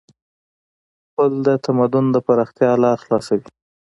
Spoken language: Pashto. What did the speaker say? پل د تمدن د پراختیا لار خلاصوي.